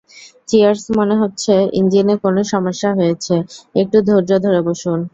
Cheers মনে হচ্ছে ইঞ্জিনে কোন সমস্যা হয়েছে, একটু ধৈর্য ধরে বসুন।